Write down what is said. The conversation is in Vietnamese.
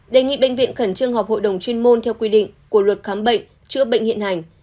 đề nghị bệnh viện khẩn trương họp hội đồng chuyên môn theo quy định của luật khám bệnh chữa bệnh hiện hành